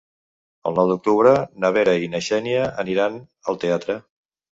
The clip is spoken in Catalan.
El nou d'octubre na Vera i na Xènia aniran al teatre.